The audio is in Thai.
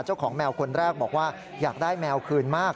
เจ้าของแมวคนแรกบอกว่าอยากได้แมวคืนมาก